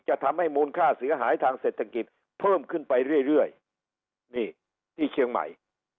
ทำให้มูลค่าเสียหายทางเศรษฐกิจเพิ่มขึ้นไปเรื่อยเรื่อยนี่ที่เชียงใหม่